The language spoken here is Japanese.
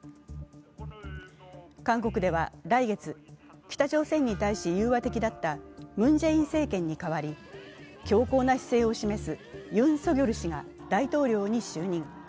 韓国では来月、北朝鮮に対し融和的だったムン・ジェイン政権に代わり強硬な姿勢を示すユン・ソギョル氏が大統領に就任。